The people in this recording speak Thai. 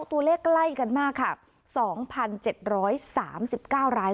ตัวเลขไล่กันมากค่ะสองพันเจ็ดร้อยสามสิบเก้าราย